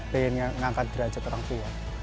pengen ngangkat derajat orang tua